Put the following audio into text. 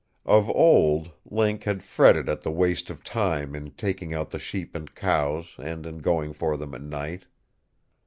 Of old, Link had fretted at the waste of time in taking out the sheep and cows and in going for them at night.